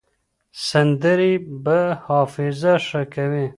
سندرې به حافظه ښه کړي.